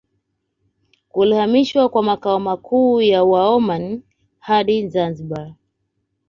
Kulihamishwa kwa makao makuu ya Waomani hadi Zanzibar